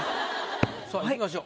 さあいきましょう。